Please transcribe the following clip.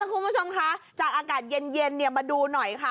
คุณผู้ชมคะจากอากาศเย็นมาดูหน่อยค่ะ